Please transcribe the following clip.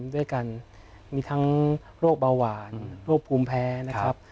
ด้วยกันมีทั้งโรคเบาหวานโรคภูมิแพ้นะครับ